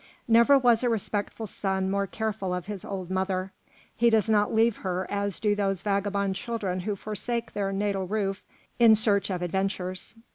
Never was a respectful son more careful of his old mother; he does not leave her as do those vagabond children who forsake their natal roof in search of adventures.